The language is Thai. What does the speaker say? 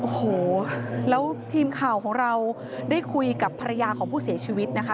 โอ้โหแล้วทีมข่าวของเราได้คุยกับภรรยาของผู้เสียชีวิตนะคะ